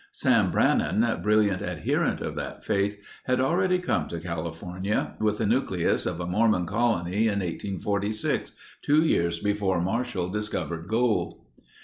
Sam Brannan, brilliant adherent of that faith, had already come to California with the nucleus of a Mormon colony in 1846, two years before Marshall discovered gold.